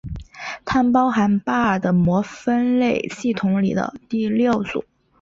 它们包含巴尔的摩分类系统里的第六组。